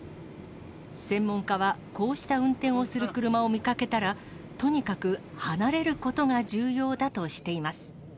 専門家はこうした運転をする車を見かけたら、とにかく離れることが重要だとしています。